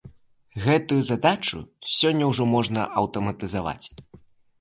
Гэтую задачу сёння ўжо можна аўтаматызаваць.